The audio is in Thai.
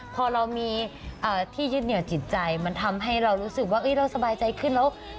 พอเรามีที่ยึดเหนียวจิตใจมันทำให้เรารู้สึกว่าเราสบายใจขึ้นแล้ว